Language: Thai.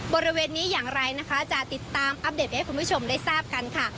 บริเวณนี้อย่างไรนะคะจะติดตามอัปเดตให้คุณผู้ชมได้ทราบกันค่ะ